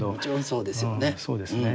そうですよね。